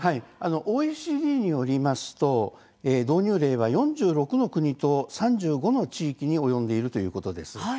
ＯＥＣＤによりますと導入例は４６の国と３５の地域に及んでいるということです。